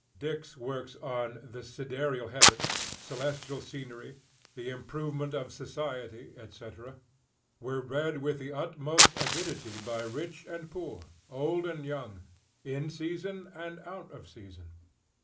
Dick's works on "The Sidereal Heavens," "Celestial Scenery," "The improvement of Society," etc., were read with the utmost avidity by rich and poor, old and young, in season and out of season.